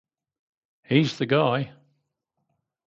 He's the guy!